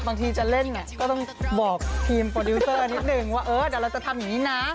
บางทีจะเล่นเนี่ยก็ต้องบอกทีมโปรดิวเซอร์นิดนึงว่าเออเดี๋ยวเราจะทำอย่างนี้นะ